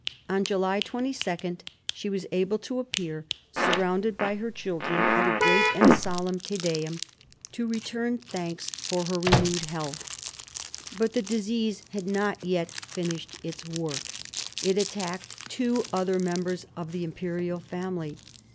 On July 22 she was able to appear, surrounded by her children, at a great and solemn Te Deum, to re turn thanks for her renewed health. But the disease had not yet finished its work; it attacked two other members of the imperial family.